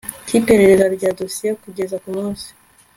cy iperereza rya dosiye kugeza ku munsi